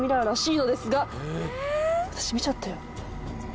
私見ちゃったよ